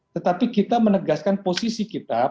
tetapi kita menegaskan posisi kita pada nilai yang terakhir